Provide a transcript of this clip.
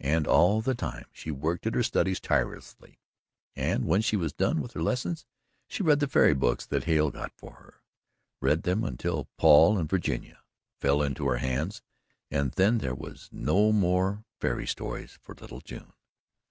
And all the time she worked at her studies tirelessly and when she was done with her lessons, she read the fairy books that Hale got for her read them until "Paul and Virginia" fell into her hands, and then there were no more fairy stories for little June.